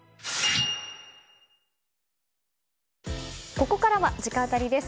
ここからは直アタリです。